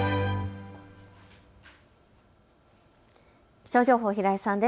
気象情報、平井さんです。